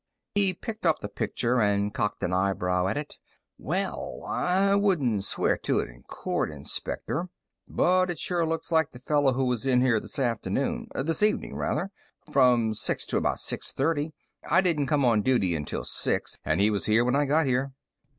He picked up the picture and cocked an eyebrow at it. "Well, I wouldn't swear to it in court, Inspector, but it sure looks like the fellow who was in here this afternoon this evening, rather, from six to about six thirty. I don't come on duty until six, and he was here when I got here."